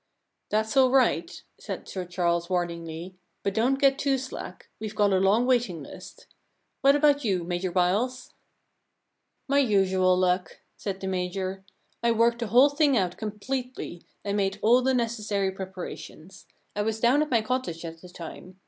* That's all right/ said Sir Charles warn ingly, * but don't get too slack. WeVe got a long waiting list. What about you, Major Byles ?'* My usual luck/ said the Major. * I worked the whole thing out completely and made all the necessary preparations. I was down at my cottage at the time.